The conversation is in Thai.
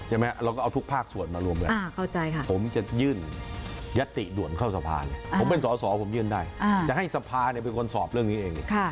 เราก็เอาทุกภาคส่วนมารวมกันผมจะยื่นยติด่วนเข้าสะพานผมเป็นสอสอผมยื่นได้จะให้สภาเป็นคนสอบเรื่องนี้เอง